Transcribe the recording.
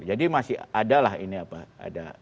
jadi masih ada lah ini apa